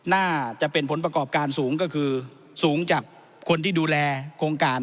น่าจะเป็นผลประกอบการสูงก็คือสูงจากคนที่ดูแลโครงการ